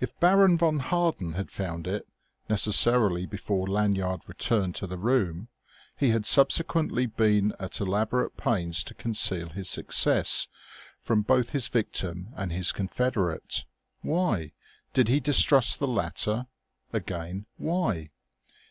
If Baron von Harden had found it necessarily before Lanyard returned to the room he had subsequently been at elaborate pains to conceal his success from both his victim and his confederate. Why? Did he distrust the latter? Again, why?